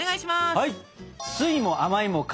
はい！